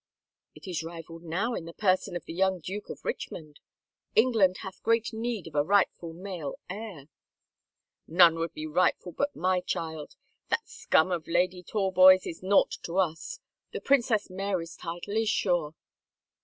" It is rivaled now in the person of the young Duke of Richmond. England hath great need of a rightful male heir." " None would be rightful but my child. That scum of Lady Talboys is naught to us. The Princess Mary's title is sure."